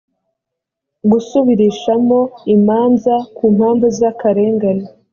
gusubirishamo imanza ku mpamvu z akarengane